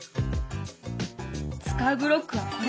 使うブロックはこれ。